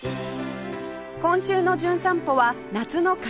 今週の『じゅん散歩』は夏の感謝祭